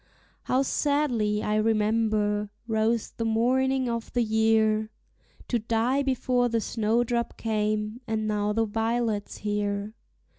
How sadly, I remember, rose the morning of the year! To die before the snowdrop came, and now the violet's here.